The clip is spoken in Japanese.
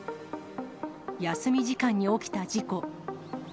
休み時間に起きた事故。